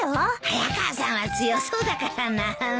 早川さんは強そうだからなぁ。